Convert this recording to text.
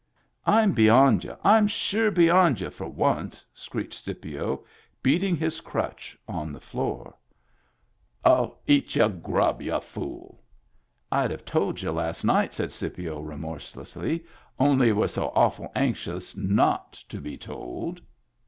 " I'm beyond y'u ! I'm sure beyond y'u for once!" screeched Scipio, beating his crutch on the floor. Digitized by Google HAPPY TEETH 59 " Oh, eat your grub, y'u fool." "Fd have told y*u last night," said Scipio, remorselessly, "only y'u were so awful anxious not to be told."